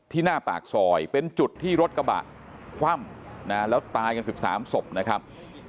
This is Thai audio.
ที่หน้าปากซอยเป็นจุดที่รถกระบะคว่ำนะฮะแล้วตายกันสิบสามศพนะครับ